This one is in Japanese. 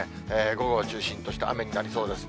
午後を中心とした雨になりそうです。